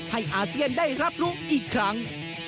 อาเซียนได้รับรู้อีกครั้ง